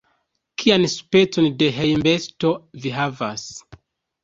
Kian specon de hejmbesto vi havas?